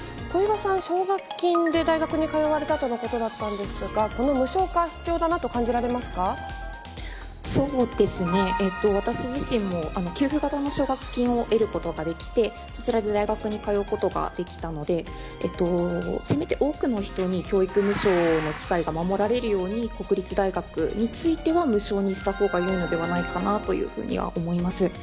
奨学金で大学に通われたということだったんですが、この無償化、そうですね、私自身も、給付型の奨学金を得ることができて、そちらで大学に通うことができたので、せめて多くの人に教育無償の機会が守られるように、国立大学については、無償にしたほうがいいのではないかというふうには思います。